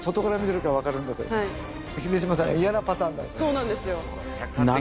そうなんですよ。